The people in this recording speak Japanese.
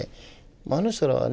あの人らはね